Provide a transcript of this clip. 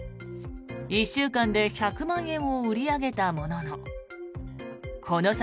１週間で１００万円を売り上げたもののこの先